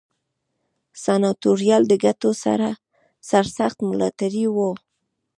سناتوریال د ګټو سرسخت ملاتړي وو.